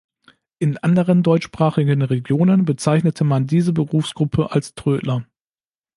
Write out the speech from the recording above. In anderen deutschsprachigen Regionen bezeichnete man diese Berufsgruppe als „Trödler“.